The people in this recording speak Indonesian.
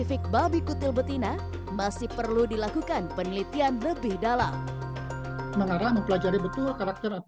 iya betul ini kandangnya mbak